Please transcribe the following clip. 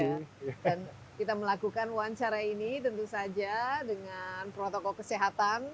dan kita melakukan wawancara ini tentu saja dengan protokol kesehatan